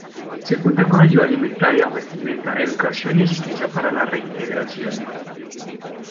Se cuenta con ayuda alimentaria, vestimenta, educación y asistencia para la reintegración.